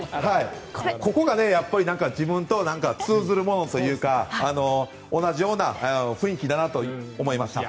ここが自分と通じるものというか同じような雰囲気だなと思いました。